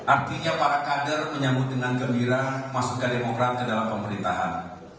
artinya para kader menyambut dengan gembira masukkan demokrat ke dalam pemerintahan